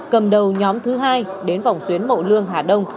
cầm đầu nhóm thứ hai đến vòng xuyến mậu lương hà đông